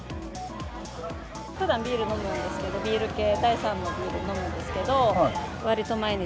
ふだんビール飲むんですけど、ビール系、第三のビール飲むんですけど、わりと、毎日。